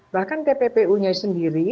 tentang tppu nya sendiri